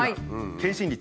検診率。